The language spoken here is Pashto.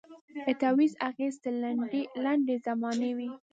د تعویذ اغېز تر لنډي زمانې وي